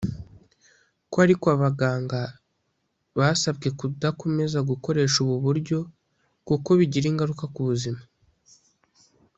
ko ariko abaganga basabwe kudakomeza gukoresha ubu buryo kuko bigira ingaruka ku buzima